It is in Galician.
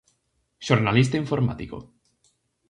Xornalista informático.